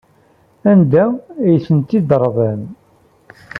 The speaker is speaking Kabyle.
Anda ay tent-id-tṛebbam?